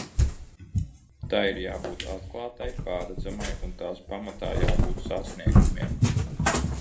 Tai ir jābūt atklātai, pārredzamai un tās pamatā jābūt sasniegumiem.